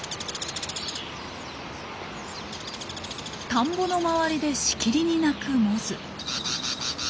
田んぼの周りでしきりに鳴くモズ。